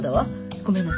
ごめんなさい。